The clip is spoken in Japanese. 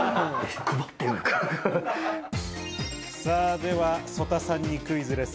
では曽田さんにクイズです。